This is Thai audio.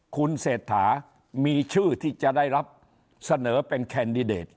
คุณเศรษฐามีชื่อที่จะได้รับเสนอเป็นแคนดิเดต